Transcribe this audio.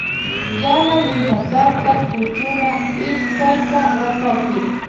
Llama milmataka kuchuna ishkayta watapi.